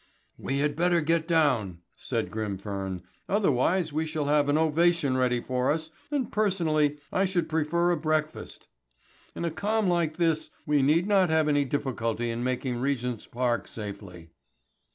"We had better get down," said Grimfern. "Otherwise we shall have an ovation ready for us, and, personally, I should prefer a breakfast. In a calm like this we need not have any difficulty in making Regent's Park safely."